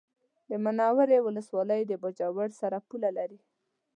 د منورې ولسوالي د باجوړ سره پوله لري